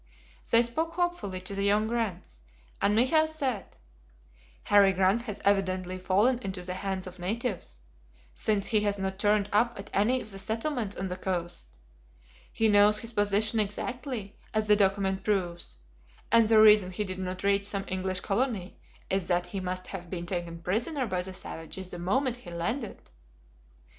They spoke hopefully to the young Grants, and Michael said: "Harry Grant has evidently fallen into the hands of natives, since he has not turned up at any of the settlements on the coast. He knows his position exactly, as the document proves, and the reason he did not reach some English colony is that he must have been taken prisoner by the savages the moment he landed!"